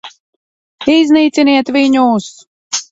Iznīciniet viņus!